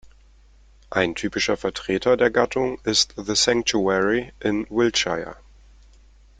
Ein typischer Vertreter der Gattung ist „The Sanctuary“ in Wiltshire.